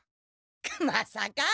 まさか！